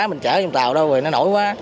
mình trở trong tàu đâu rồi nó nổi quá